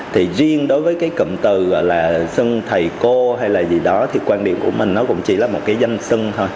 thì riêng đối với cái cụm từ gọi là xưng thầy cô hay là gì đó thì quan điểm của mình nó cũng chỉ là một cái danh sưng thôi